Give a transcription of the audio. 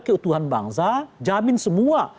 keutuhan bangsa jamin semua